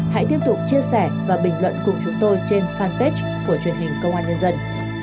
hãy tiếp tục chia sẻ và bình luận cùng chúng tôi trên fanpage của truyền hình công an nhân dân